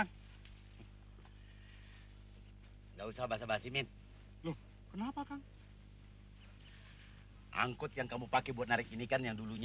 tidak usah basah basimin loh kenapa kang angkut yang kamu pakai buat narik ini kan yang dulunya